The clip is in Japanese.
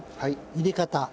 入れ方。